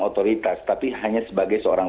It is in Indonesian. otoritas tapi hanya sebagai seorang